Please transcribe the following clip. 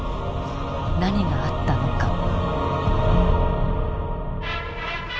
何があったのか。